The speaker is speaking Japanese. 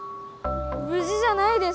ぶじじゃないです！